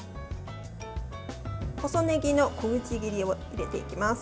細ねぎの小口切りを入れていきます。